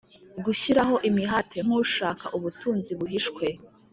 gushyiraho imihate nk ushaka ubutunzi buhishwe